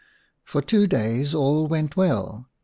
s For two days all went well.